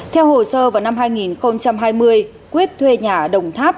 theo hồ sơ vào năm hai nghìn hai mươi quyết thuê nhà ở đồng tháp